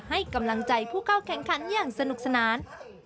ให้กำลังใจผู้เข้าแข่งขันอย่างสนุกสนาน